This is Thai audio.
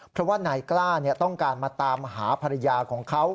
เพราะว่านายกล้าต้องการมาตามหาภรรยาของเขา